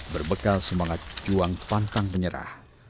berbekal semangat juang pantang menyerah